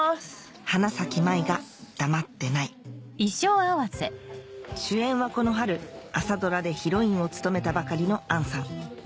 『花咲舞が黙ってない』主演はこの春朝ドラでヒロインを務めたばかりの杏さん